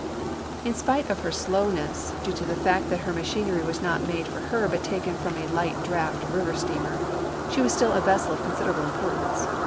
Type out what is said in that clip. In spite of her slowness — due to the fact that her machinery was not made for her but taken from a light draft river steamer — she was still a vessel of considerable importance.